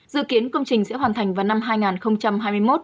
dự kiến công trình sẽ hoàn thành vào năm hai nghìn hai mươi một